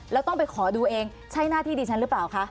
แล้วต้องไปขอดูเองใช่หน้าที่ดิฉันหรือเปล่าคะ